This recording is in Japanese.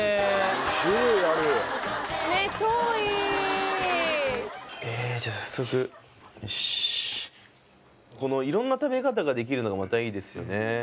ねええじゃあ早速よしこの色んな食べ方ができるのがまたいいですよね